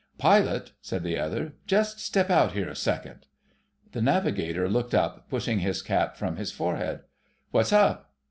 "Pilot," said the other, "just step out here a second." The Navigator looked up, pushing his cap from his forehead. "What's up?"